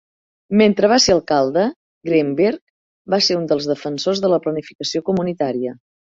Mentre va ser alcalde, Greenberg va ser un dels defensors de la planificació comunitària.